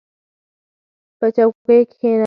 • په چوکۍ کښېنه.